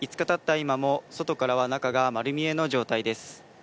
今も、外からは中が丸見えの状態です。